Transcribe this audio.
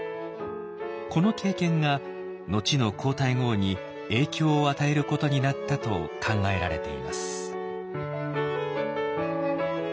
この経験が後の皇太后に影響を与えることになったと考えられています。